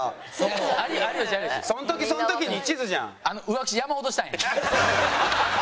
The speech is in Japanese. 浮気山ほどしたんや。